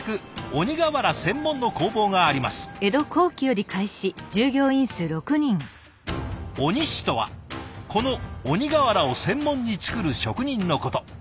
鬼師とはこの鬼瓦を専門に作る職人のこと。